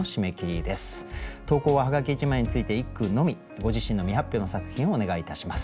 ご自身の未発表の作品をお願いいたします。